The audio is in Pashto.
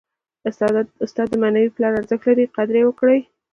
استاد د معنوي پلار ارزښت لري. قدر ئې وکړئ!